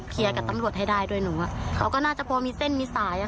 เคลียร์กับตำรวจให้ได้ด้วยเลย